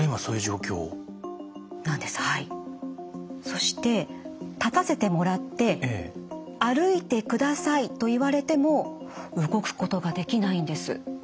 そして立たせてもらって歩いてくださいと言われても動くことができないんです。